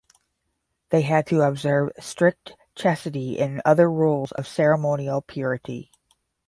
They had to observe strict chastity and other rules of ceremonial purity.